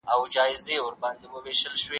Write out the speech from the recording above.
وړه، وړه نـــه ده